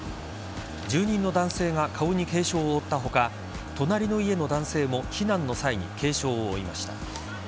住人の男性が顔に軽傷を負った他隣の家の男性も避難の際に軽傷を負いました。